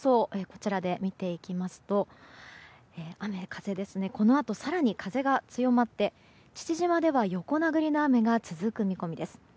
こちらで見ていきますと雨風、このあと更に風が強まって父島では横殴りの雨が続く見込みです。